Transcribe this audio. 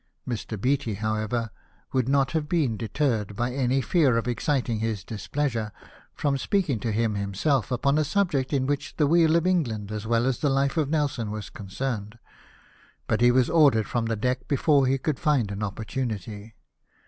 Mr. Beatty, however, would not have been deterred by any fear of exciting his displeasure, from speaking to him himself upon a subject in which the weal of England as well as the life of Nelson was concerned, but he was ordered from the deck before he could find an opportunity.